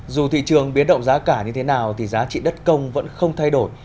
dù thị trường biến động giá cả như thế nào thì giá trị đất công vẫn không thay đổi